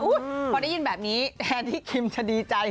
พอได้ยินแบบนี้แทนที่คิมจะดีใจ